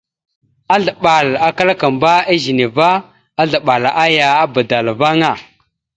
Azləɓal a klakamba a ezine va, azləɓal aya a badala vaŋa.